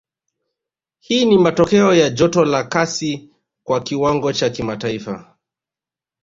Hii ni matokeo ya joto la kasi kwa kiwango cha kimataifa